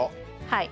はい。